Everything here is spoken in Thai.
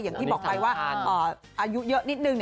อย่างที่บอกไปว่าอายุเยอะนิดนึง